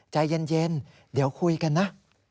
ใจเย็นเดี๋ยวคุยกันนะ